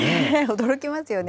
驚きますよね。